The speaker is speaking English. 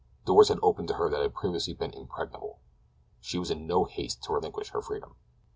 Doors had opened to her that had previously been impregnable. She was in no haste to relinquish her freedom.